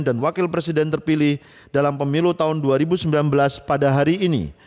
dan wakil presiden terpilih dalam pemilu tahun dua ribu sembilan belas pada hari ini